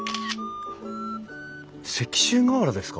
石州瓦ですか？